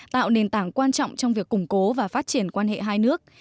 tạo nền tảng quan trọng trong việc củng cố và phát triển quan hệ hai nước